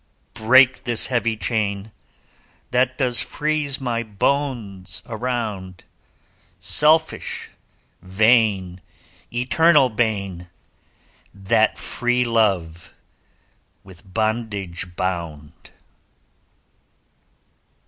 'Break this heavy chain, That does freeze my bones around! Selfish, vain, Eternal bane, That free love with bondage bound.